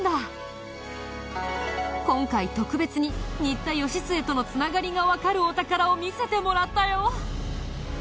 今回特別に新田義季との繋がりがわかるお宝を見せてもらったよ。